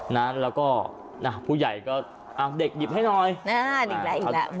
นะแล้วก็ผู้ใหญ่ก็เด็กหยิบให้หน่อยอ่าเด็กแล้วอีกแล้ว